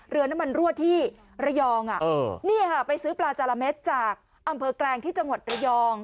เรือน้ำมันรั่วที่ระยองนี่ค่ะไปซื้อปลาจาระเม็ดจากอำเภอแกลงที่จังหวัดระยอง